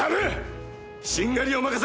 しんがりを任せる！